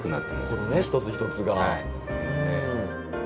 このね一つ一つが。